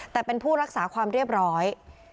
แต่เป็นผู้รักษาความเรียบร้อย